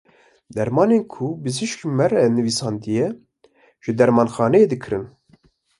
Dermanên ku bijîşk ji me re nivîsandine, ji dermanxaneyê dikirin.